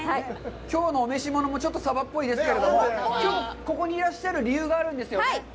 きょうのお召し物もちょっとサバっぽいですけど、きょうは、ここにいらっしゃる理由があるんですよね。